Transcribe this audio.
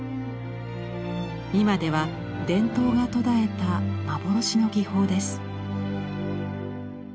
今では伝統が途絶えた幻の技法です。